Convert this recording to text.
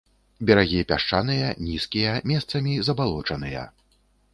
Берагі пясчаныя, нізкія, месцамі забалочаныя.